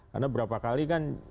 karena berapa kali kan